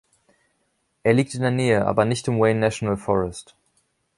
Er liegt in der Nähe, aber nicht im Wayne National Forest.